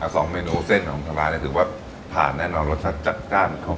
สองเมนุเส้นของกราบร้านคือได้ผามแน่นอนรสชาติจัด